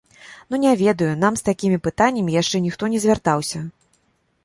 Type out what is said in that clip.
Ну не ведаю, нам з такімі пытаннямі яшчэ ніхто не звяртаўся.